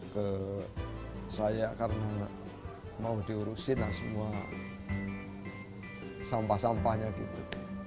ke saya karena mau diurusin lah semua sampah sampahnya gitu